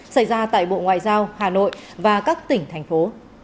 xảy ra tại bộ ngoại giao hà nội và các tỉnh thành phố